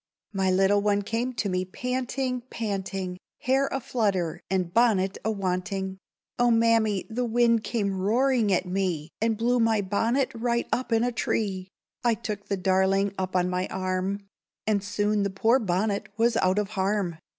My little one came to me panting, panting, Hair a flutter, and bonnet a wanting. "Oh, Mammy! the wind came roaring at me, And blew my bonnet right up in a tree!" I took the darling up on my arm, And soon the poor bonnet was out of harm.